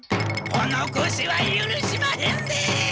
おのこしはゆるしまへんで！